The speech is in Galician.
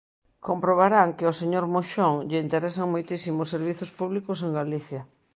Comprobarán que ao señor Moxón lle interesan moitísimo os servizos públicos en Galicia.